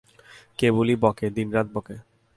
কেবলই বকে, দিনরাত বকে।